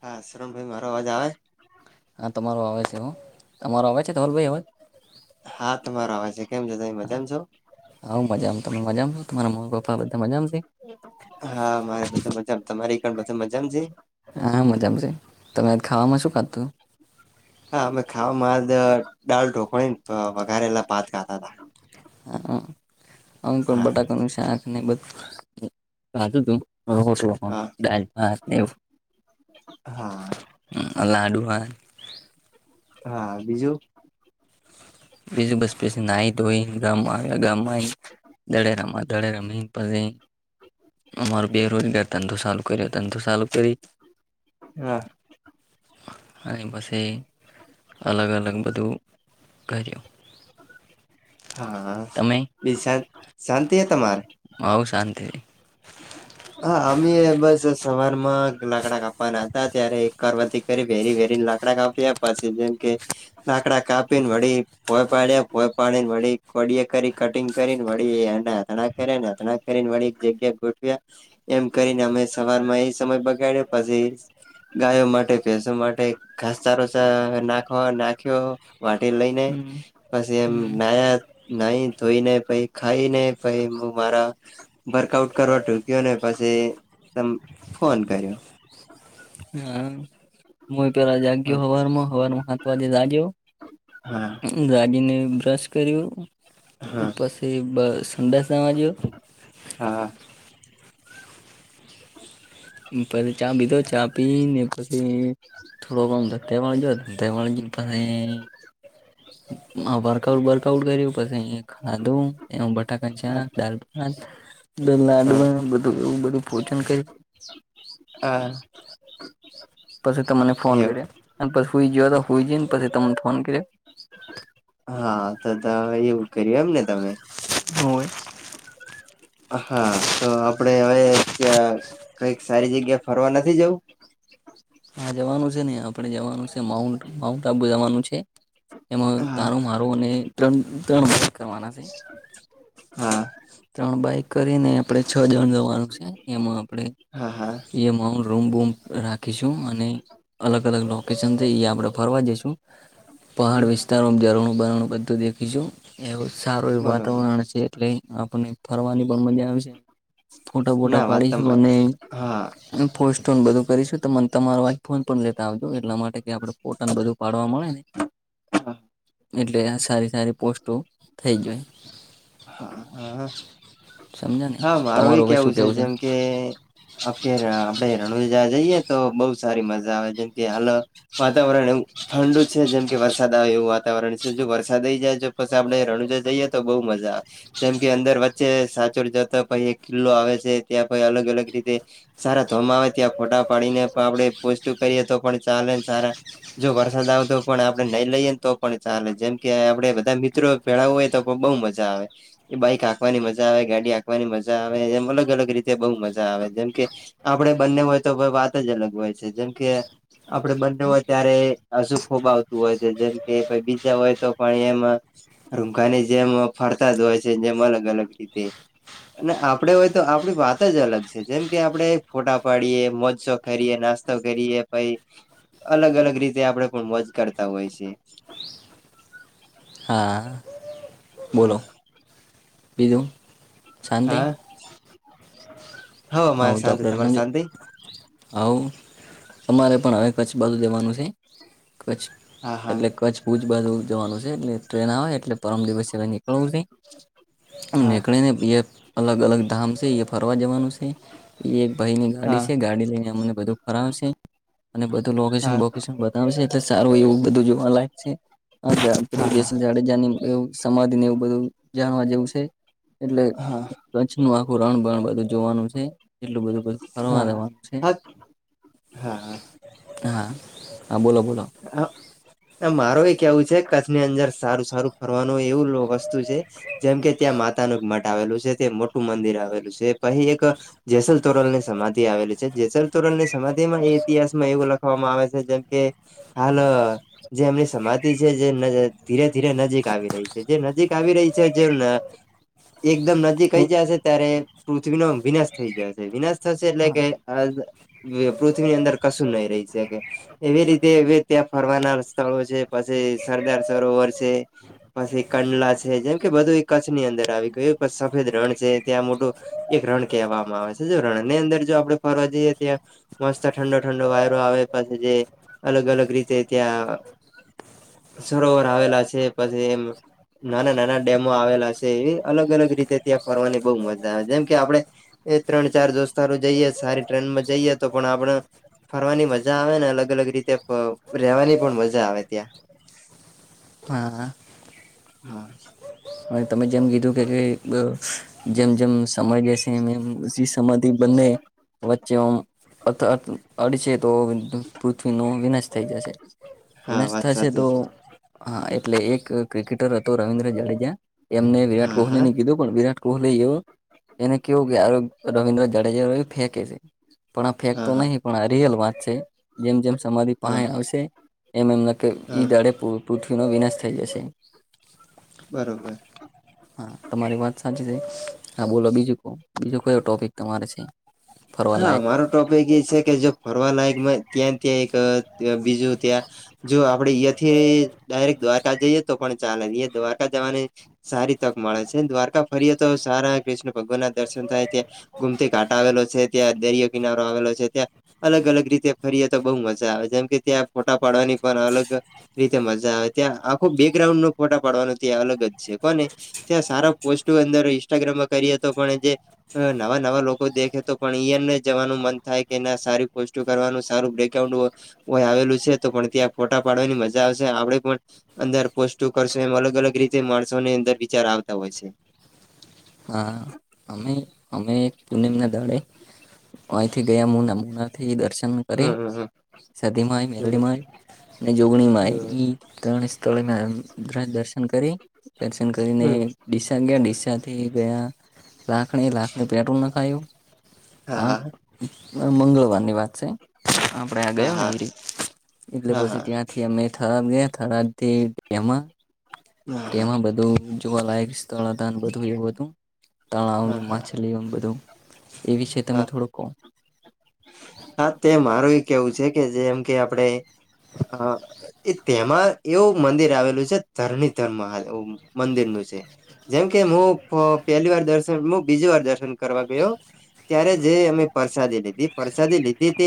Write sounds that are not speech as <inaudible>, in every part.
હા શરમભાઈ મારો અવાજ આવે? હા તમારો આવે છે હો. તમારો આવે છે ધવલ ભાઈ હવે? હા તમારો અવાજ છે કેમ છો તમે હા મજામાં છો હું મજામ તમે મજામ છો, તમારા મમ્મી પપ્પા બધા? મજામાં છે હા મારે બધા મજામ તમારી પણ બધા મજામ છે? હા મજામાં છે તમે આજ ખાવામાં શું ખાધું હા અમે ખાવામાં જ દાળ, ઢોકળીન વઘારેલા ભાત ખાધાતા. હા અમ પણ બટાકાનું શાક ને એ બધું ખાધુતું. હા <inaudible> દાળ ભાત ને એવું. હા હ. લાડુ આ હા બીજું? બીજું બસ પછી નાઈટ હોય, ગામમાં આવ્યા ગામમાં દળ રમે, દળે રમી પછી અમારો બેરોજગાર ધંધો સાલું કર્યો ધંધો સાલું કરી હ. અને પછી અલગ અલગ બધું કર્યું. હા તમે એ શાંત શાંતિ હે તમાર? હઉ શાંતિ. હા અમે બસ સવારમાં લાકડા કાપવાના તા ત્યારે કરવતેથી વેરી વેરીન લાકડા કાપયા પછી જેમ કે લાકડા કાપીન વળી ભોય પાડ્યા ભોય પાડીને વળી કોડીએ કરી કટિંગ કરીને વળી <unintelligible> કર્યા ન <inaudible> <unintelligible> વળી <inaudible> ગોઠવ્યા એમ કરીને અમે સવારમાં એ સમય બગાડ્યો પછી ગાયો માટે ભેસો માટે ઘાસ ચારો <unintelligible> નાખવા નાખ્યો. વા લઈ ને હમ પછી એમ હમ નાયા નહી ધોઈનેય પઇ ખાઈ ને પઇ હું મારા વર્કઆઉટ કરવા ટૂક્યો ને પછી તમે ફોન કર્યો. હા હ <unintelligible> પે જાગ્યો હા હવારમાં હવારમાં હાત વાગ્યે જાગ્યો હા જાગીને બ્રશ કર્યુ. હા પછી બ સંદસમાં જો હા પછી ચા પીધો ચા પી ને પછી થોડો કમ તો <unintelligible> દવા જો દવાળજું પાસે વર્કઆઉટ વર્કઆઉટ કર્યું પછી ખાધું. <unintelligible> લાું હા એવું બધું ભોજન કરી હા પછી તમને ફોન એવ કરે પછ હુઈ જયો તો હુઈ જઈન પછી તમને ફોન કરે હા ત ત હવે એવું કર્યુ એમ ને તમે! જોઈ <unintelligible> હા તો આપણેે હવે ચ કઈક સારી જગ્યા ફરવા નથી જવું? હા જવાનું છે ને આપણે જવાનું છે માઉન્ટ માઉન્ટ આબુ જવાનું છે. એમાં હા તારું મારું અને ત્રણ ત્રણ કરવાના છે. હા. ત્રણ બાઈક કરીને આપણેે છ જણ જવાનું છે એમાં આપણેે હા હા એમાં રૂમ બૂમ રાખીશું અને અલગ અલગ લોકેશન આપડે ફરવા જઈશું પહાડ વિસ્તારોમાં જઝરણું બરણું બધું દેખીશું એવું સારું એવું બરોબર વાતાવરણ છે એટલે આપને ફરવાની પણ મજા આવશે ફોટા ફોટો ના વાત પાડીશ. તમે હા બધું કરીશું તો મને તમારો આઈફોન પણ લેતા આવજો એટલા માટે કે આપડણે ફોટાને બધું પાડવા મળે ને. હા એટલે આ સારી સારી પોસ્ટો થઈ જાય હા હા સમજ્યા ને હા મારો એ તમારું હવે શું કેવું છે જેમ કે આપકે આપડે રણુંજા જઈએ તો બઉ સારી મજા આવે જેમ કે હાલ વાતાવરણ એવું ઠંડ છે જેમ કે વરસાદ આવે એવું વાતાવરણ છે જો વરસાદઈ જાય તો પછી આપડણે રણુજા જઈએ. તો બહુ મજા આવે જેમ કે અંદર વચ્ચે સાચોર જતા પછ એક કિલ્લો આવે છે ત્યાં પ અલગ અલગ રીતે સારા ધોમાવે ત્યાં ફોટા પાડીને પણ આપડે પોસ્ટ કરીએ તો પણ ચાલે સારા જો વરસાદ આવતો પણ આપડે નઈ લઈએ ને તો પણ ચાલે જેમ કે આપડે બધા મિત્રો ભેડા હોય તો બહુ મજા આવે એ બાઈક આંકવાની મજા આવે ગાડી આંવાની મજા આવે એમ અલગ અલગ રીતે બહુ મજા આવે. જેમ કે આપણે બંને હોય તો વાત જ અલગ હોય છે જેમ કે આપડે બંને હોય ત્યારે અશુ ખુબ આવતું હોય છે જેમ કે બીજા હોય તો પણ એમાં રૂઘાને જેમ ફરતા જ હોય છે જેમ અલગ અલગ રીતે અને આપડે હોય તો આપણી વાત જ અલગ છે જેમ કે આપણેે ફોટા પાડીએ મોજો શોખ કરીએ. નાસ્તો કરીએ પ અલગ અલગ રીતે આપણેે પણ મોજ કરતા હોય છે. <unintelligible> હા. બોલો હા. બીજું શાંતિ હા. હવ મારે આવું તો <unintelligible> શાંતિ આપડેમ તમારે શાંતિ આવું અમારે પણ હવે કચ્છ બાજુ જેવાનું છે કચ્છ હા હા એટલે કચ્છ ભૂજ બાજુ જવાનું છે એટલે ટ્રેન આવે એટલે પરમ દિવસવા નીકળવું નઈ. હા નીકળી ને અલગ અલગ ધામ છે એ ફરવા જવાનું છે એ ભાઈ ની ગાડી હા છે ગાડી લઈને અમને બધું ફરવશે અને બધું લોકેશન હા બોકેશન બતાવશે સારું એવું બધું જોવા લયક છે હા હા <unintelligible> જાડેજા નીવ સમાધિ ને એવું બધું જાણવા જેવું છે એટલે હા કચ્છ નુ પુરાણ બણ બધું જોવાનું છે એટલું બધું બધું ફરવા હા જવાનું છે હા હા હા હા બોલો બોલો હ ના માર એ કેવું છે કચ્છની અંદર સારું સારું ફરવાનું એવું વસ્તુ છે જેમ કે ત્યાં માતા નું મઠ આવેલું છે તે મોટું મંદિર આવેલું છે પહી એક જેસલ તોરલ ની સમાધી આવેલી છે જેસલ તોરલ ની સમાધિમા એ ઇતિહાસમાં એવું લખવામાં આવે છે જેમ કે હાલ જે એમની સમાધિ છે જે ધીરે ધીરે નજીક આવી રહી છે જે નજીક આવી આવી રહી છે જો ન <inaudible> એકદમ નજીક આઈ જશે ત્યારે પૃથ્વીનો વિનાશ થઈ જાશે વિનાશ થશે એટલે કે આ પૃથ્વીની અંદર કશું નહી રે એવી રીતે તે ત્યાં ફરવાનાર સ્થળો છે પછી સરદાર સરોવર છે પછી કંડલા છે જેમ કે બધું એ કચ્છ ની અંદર આવી ગયું સફેદ રણ છે ત્યાં મોટું એક રણ કહેવામાં આવે છે ને જો રણની અંદર જો આપડે ફરવા જઈએ ત્યાં મસ્ત ઠંડો ઠંડો વાયરો આવે પછી જે અલગ અલગ રીતે ત્યાં સરોવર આવેલા છે પછી એમ નાના નાના ડેમો આવેલા છે એવી અલગ અલગ રીતે ત્યાં ફરવાની બઉ મજા આવે જેમ કે આપડે એ ત્રણ ચાર દોસ્તારો જઈએ સારી ટ્રેનમાં જઈએ તો પણ આપણો ફરવાની મજા આવે ને અલગ અલગ રીતે ફ રેવાની પણ મજા આવે ત્યાં હા હા અને તમે જેમ કીધું કે કે જેમ જેમ સમય જશે એમ એમ પસી સમાજ ધી બંને વચ્ચે ઓમ અથ અ અડશે તો પૃથ્વી નો વિનાશ થઈ જશે હા વિનાશ વાત થશે સાચી તો છે હા એ એટલે એક ક્રિકેટર હતો રવિન્દ્ર જાડેજા એમને વિરાટ હા કોહલી હા ને કીધું પણ. વિરાટ કોહલી એવો એને કેવુ કે રવિન્દ્ર જાડેજા ફેંકે છે. પણ આ ફેક તો હા હા નહીં પણ આ રિયલ વાત છે જેમ જેમ સમાધિ પાહે હા આવશે. એમ એમના કે ઈ હા દાડે પુ પુથ્વીનો વિનાશ થઈ જશે. બરોબર હા તમારી વાત સાચી છે હા બોલો બીજુ કો બીજો કયો ટોપિક તમારે છે ફરવા હા લાયક અમારો ટોપિક ઈ સે કે જો ફરવા લાયક ત્યા ત્યા એક બીજું ત્યાં જો આપડે અઇયાથી ડાયરેક્ટ દ્વારકા જઈએ તો પણ ચાલે દ્વારકા જવાની સારી તક મળે છે દ્વારકા ફરીએ તો સારા કૃષ્ણ ભગવાન ના દર્શન થાય છે ગોમ તી ઘાટ આવેલો છે ત્યાં દરિયો કિનારો આવેલો છે ત્યાં અલગ અલગ રીતે ફરીએ તો બહુ મજા આવે જેમ કે ત્યાં ફોટા પાડવાની અલગ રીતે મજા આવે ત્યાં આખો બેકગ્રાઉન્ડ નો ફોટા પાડવાનો ત્યાં અલગ જ છે કોને ત્યાં સારા પોસ્ટો અંદર ઇન્સ્ટાગ્રામા કરીએ તો પણ જે નવા નવા લોકો દેખે તો પણ એમ જવાનુ મન થાય કે એ સારી પોસ્ટ કરવાનું સારું બ્રેકાઉન્ડ આવેલું છે તો પણ ત્યાં ફોટા પાડવાની મજા આવશે આપડે પણ અંદર પોસ્ટુ કરશું એમ અલગ અલગ રીતે માણસોની અંદર વિચાર આવતા હોય છે હા નોમ ના દાડે અહીથી ગયા મુના મુના થી દર્શન કરી હમ સતી માં એ હમ મેલડી માં એ અને જોગણી મા એ હમ ઈ ત્રણ અ દર્શ શન કરી દર્શન કરીને હમ ડીસા ગયા ડીસા થી ગયા લાખણી લાખણી પેટ્રોલ નખાયુ હા મંગળવાર ની વાત છે. આપડે આ હા ગયો ને હા એરી એટલે હા પછી ત્યાંથી અમે થરાદ ગયા થરાદ થી. તેમાં હા હા હા તેમાં બધું જોવાલાયક સ્થળ હતા બધું એવું હતું. હા તણાવની હા માછલી એ બધું. એ વિશે તમે હા થોડુક કો. હા તે મારું એક કેવું છે કે જેમ કે આપડે. હ એ તેમાં એવું મંદિર આવેલું છે ધરણી ધર્મ મંદિર.. જેમ કે હું પહેલી વાર દર્શન બીજ વાર દર્શન કરવા ગયો. ત્યારે જે અમે પરસાદી લીધી પરસા. વસાદી લીધી તે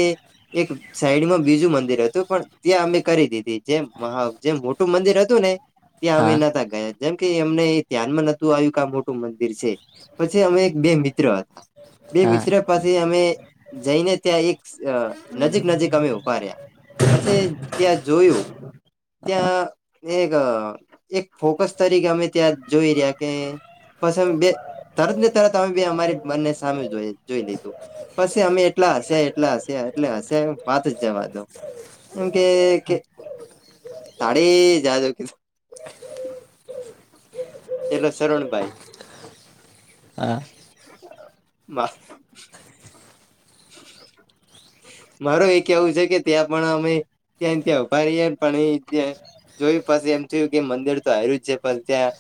એક સાઈડમાં બીજું મંદિર હતું પણ ત્યાં અમે કરી દીધી જે મહ. જે મોટું મંદિર હતું ને ત્યાં અમે હા નતા ગયા. જેમ કે અમને ધ્યાનમાં નતું આવ્યું કે આ મોટું મંદિર છે પછી અમે એક બે મિત્ર હતા. બે હા મિત્ર પાસે અમે જઈને ત્યાં એક. નજીક નજીક અમે ઉભા રહ્યા પછી ત્યાં જોયું. ત્યાં એક એક ફોકસ તરીકે અમે ત્યાં જોઈ રહ્યા કે. પછી બે. તરત ને તરત અમે બી અમારી મનને સામે જોઈ લીધું પછી અમે એટલા. હશે એટલે હશે એટલે હશે વાત જ જવા દો એમ કે. તળી જ જ કધ. એલે શરણભાઈ. હા બહ. મારો એક એવું છે કે ત્યાં પણ અમે ત્યાં ત્યાંભારીએ પણ ત્યાં. જોયું પછી એમ થયું કે મંદિર તો આવ્યું જ છે પણ ત્યાં.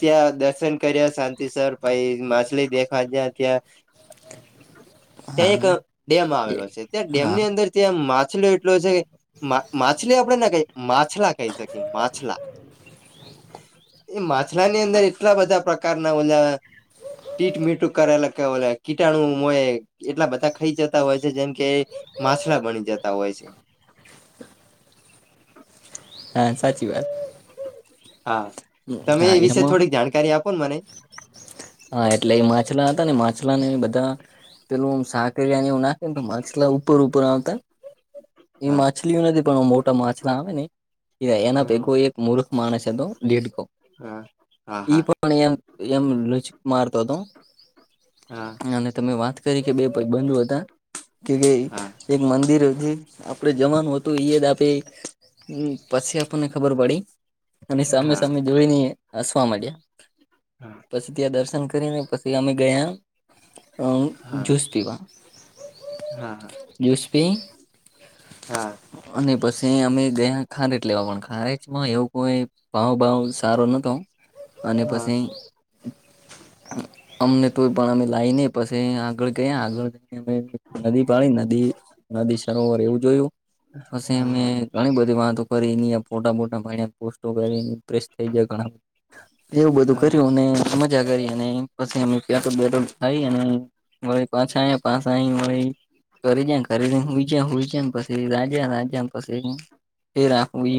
ત્યાં દર્શન કર્યા શાંતિ સર પછ માછલી દેખવા જ્યા ત્યાં. ત્યાં એક ડેમ આવેલો એ છે ત્યાં ડેમ હા ની અંદર ત્યાં મા. માછલો એટલો છે માછલી આપણે ના ક માછલા કહી શકીએ માછલા. <inaudible> એ માછલા ની અંદર એટલા બધા પ્રકારના ઓલા. ટીટ મીટું કરેલા કે કીટાણુ મોય એટલા બધા ખાઈ જતા હોય છે જેમ કે. માછલા બની જતા હોય છે. <inaudible> હા સાચી વાત. હા તમે હા એ વિશે એમાં થોડીક જાણકારી આપો ને મને. હા એટલે એ માછલા હતા ને માછલા ને બધા પેલું હમ શાકરને એું નાખે ને માછલા ઉપર ઉપર આવતા એ હા માછલીઓ નથી. પણ મોટા માછલા આવેને એના પેગ હા એક મૂર્ખ માણસ હતો લીકો. હા એ હા પણણી એમ એમ લુચ મારતો હતો. હા અને તમે વાત કરી કે બે પ બંધુ હતા. કે એક મંદિર છે આપડે જવાનું હતું ઈદ. પછી આપણને ખબર પડી અને સામે હા સામે જોઈને. વા મળ્યા હા પછી ત્યાં દર્શન કરીને પછી અમે ગયા. હ હા જુસ પીવા હા હા જુસ પી. હા અને પછી અમે. જે ખારેટ લેવા પણ ખારેજમાં એવો કોઈ ભાવ ભાવ સારો નતો. અને હા હા પછી. અમને તોય પણ અમે લાવને પછી આગળ ગયા આગળ જઈને અમે નદી પાડીી નદી. નદી સરોવર એવું જોયું પછી હા અમે હા ઘણી બધી વાતો. ફ ફોટા બોટા ભ પોસ્ટો કરી પ્રેસ થઈ જાય ઘણાધ. એવું બધું હા કર્યું અને મજા કરી અને પછી બે અને. મળી પાછ પાછ મળી કરીજ કરીઈ જય છેમ પછી રાજે.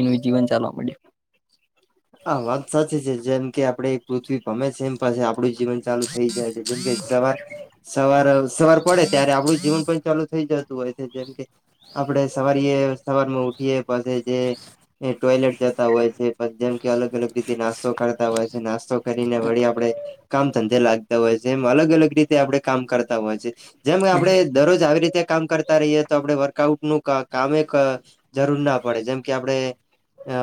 નું જીવન ચાલવા મળે. હા વાત સાચી છે જેમ આપડે પૃથ્વી ગમે છે એમ પછ. આપડું જીવન ચાલુ થઇ જાય છે જેમકે સવાર સવાર સવાર પડે ત્યારે આપડું જીવન પણ ચાલુ થઇ જાય. હોય છે જેમ કે આપડે સવારીએ સવારમાં ઉઠીએ પછ જે. એ ટોયલેટ જતા હોય છે પછ જેમ. અલગ અલગ રીતે નાસ્તો કરતા હોય છે નાસ્તો કરીને વળી આપડણે કામ. સંધે લાગતા હોય છે એમ અલગ અલગ રીતે આપણે કામ કરતા હોય છે જેમ આપણે દરરોજ આવી રીતે. કામ કરતા રહીએ તો આપડે વર્કઆઉટ નું કા કામે જરૂર ના પડે જેમ કે આપણે અ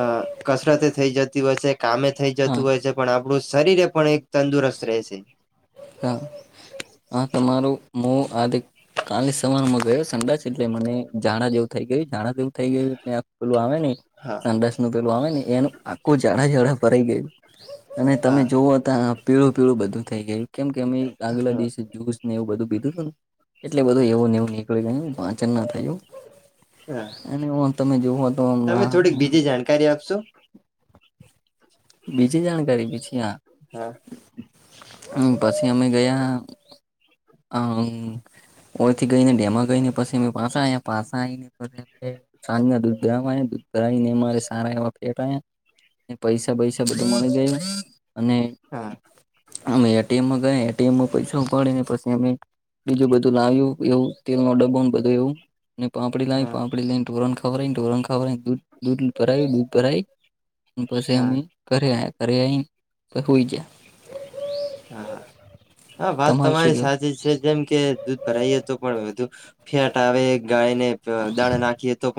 કસરત એ થઈ જતી હોય છે, કામે થઈ જતું હા હોય છે પણ આપણું શરીર પણ એક તંદુરસ્ત રે છે. આ તમારું મો આદિક કાલે સવારમાં ગયો સંડાસ એટલે મને જાણા જેવું થઈ ગયું જાણા જેવું થઈ ગયું પેલું આવે ને હા સંડસ નું પેલું આવે ને એનું આખું જાડા જાડા ભરાઈ ગયું અને તમે હા જોવઓ હતા પીળું પીળું બધું થઈ ગયું કેમ કે અમે આગલા હા દિવસે જ્યુસ ને એવું બધું પીધું તું ન એટલે બધું એવું નેવું નીકળી યુ પાચન ના થયું હા અને હ તમે જોવ તો તમે થોડીક બીજી જાણકારી આપશો બીજી જાણકારી બીજી હા હા. પછી અમે ગયા અ ઓથી ગઈને ડેમાં ગઈને પછી પાછા આયા પાછા આઈને પછે સાંજના દૂધ <unintelligible> <unintelligible> ને મારે સારા એવા ફેટાયા પૈસ પૈસા બધું મળી ગયું અને હા અમે એ. ટી. એમ. માં ગયા એ. ટી. એમ માં પૈસા ઉપાડી ને પછી અમે બીજું બધું લાવ્યું એવું તેલ નો ડબ્બો બધું એવું. ને પાપડી લાવી હા પાપડી લઈને ઢોરોણ ખવરાઇ ઢોરણ ખવરાઇ ને દૂધ દૂધ ભરાય દૂધ ભરાઈ પછી હા અમે ઘરે આયા ઘરે આઈ પહિ હુઈ જ્યાં. હા હા. હા વાત તમારું શું તમારી કેવું સાચી છે જેમ કે દૂધ ભરાઈએ તો પણ વધુ ફેટ આવે ગાયને દાણા નાખીએ તો